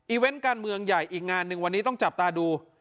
เวนต์การเมืองใหญ่อีกงานหนึ่งวันนี้ต้องจับตาดู